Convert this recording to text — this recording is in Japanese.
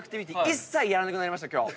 一切やらなくなりました今日。